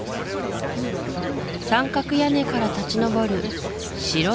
三角屋根から立ち上る白い